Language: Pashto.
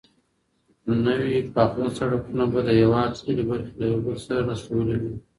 نوي پاخه سړکونه به د هيواد ټولې برخې له يو بل سره نښلولې وي.